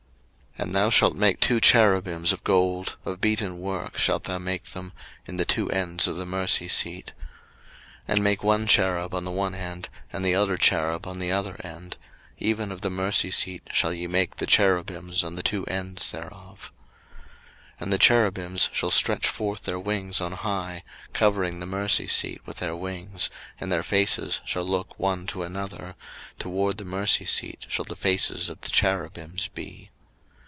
02:025:018 And thou shalt make two cherubims of gold, of beaten work shalt thou make them, in the two ends of the mercy seat. 02:025:019 And make one cherub on the one end, and the other cherub on the other end: even of the mercy seat shall ye make the cherubims on the two ends thereof. 02:025:020 And the cherubims shall stretch forth their wings on high, covering the mercy seat with their wings, and their faces shall look one to another; toward the mercy seat shall the faces of the cherubims be.